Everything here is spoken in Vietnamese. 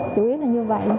chủ yếu là như vậy